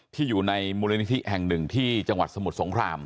อยู่ในมูลนิธิแห่งหนึ่งที่จังหวัดสมุทรสงคราม